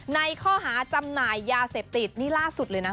ในข้อหาจำหน่ายยาเสพติดนี่ล่าสุดเลยนะ